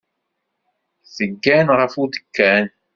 Teggan ɣef udekkan.